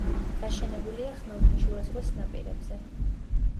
გაშენებულია ხმელთაშუა ზღვის ნაპირებზე.